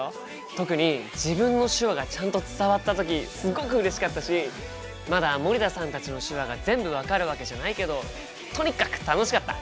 特に自分の手話がちゃんと伝わった時すごくうれしかったしまだ森田さんたちの手話が全部分かるわけじゃないけどとにかく楽しかった！